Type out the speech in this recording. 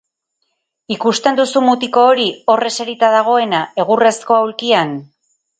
Ikusten duzu mutiko hori, hor eserita dagoena, egurrezko aulkian?